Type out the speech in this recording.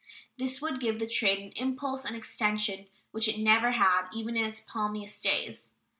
This would give the trade an impulse and extension which it has never had, even in its palmiest days.